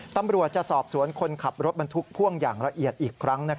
ตำรวจจะสอบสวนคนขับรถบรรทุกพ่วงอย่างละเอียดอีกครั้ง